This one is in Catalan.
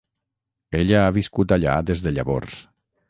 Ella ha viscut allà des de llavors.